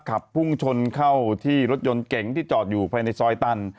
ขับพุ่งชนเข้าที่รถยนต์เก๋งที่จอดอยู่ภายในซอยตัน